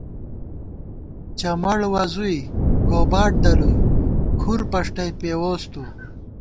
چمَڑ وَزُوئی، گوباٹ دلُوئی کھُر پشٹئ پېووس تُو